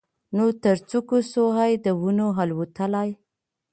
نه تر څوکو سوای د ونو الوتلای